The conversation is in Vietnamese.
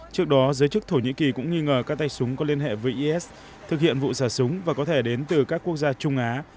trước đó giới chức thổ nhĩ kỳ cũng nghi ngờ các tay súng có liên hệ với is thực hiện vụ xả súng và có thể đến từ các quốc gia trung á